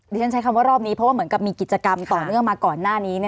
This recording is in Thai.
ฉันใช้คำว่ารอบนี้เพราะว่าเหมือนกับมีกิจกรรมต่อเนื่องมาก่อนหน้านี้